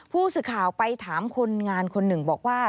ผู้สื่อข่าวไปถามคนงานคนหนึ่งบอกว่า